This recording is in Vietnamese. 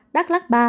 đắk lắc ba